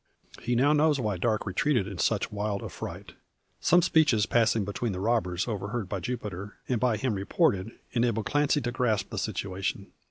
He now knows why Darke retreated in such wild affright. Some speeches passing between the robbers, overheard by Jupiter, and by him reported, enable Clancy to grasp the situation.